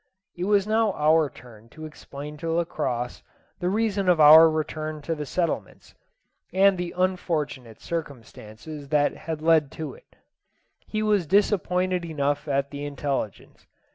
It was now our turn to explain to Lacosse the reason of our return to the settlements, and the unfortunate circumstances that had led to it. Ho was disappointed enough at the intelligence.